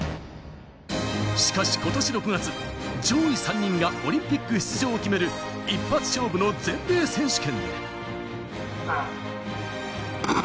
しかし今年６月、上位３人がオリンピック出場を決める一発勝負の全米選手権。